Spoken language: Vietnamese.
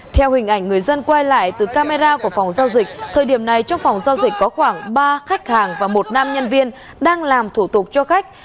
theo hình ảnh người dân quay lại từ camera của phòng giao dịch thời điểm này trong phòng giao dịch có khoảng ba khách hàng và một nam nhân viên đang làm thủ tục cho khách